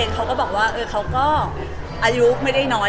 เขาก็บอกว่าเขาก็อายุไม่ได้น้อย